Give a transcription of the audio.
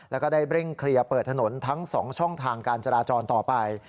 แล้วก็ได้เร่งเคลียร์เปิดถนนทั้ง๒ช่องทางการจราจรต่อไป